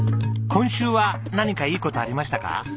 今週は何かいい事ありましたか？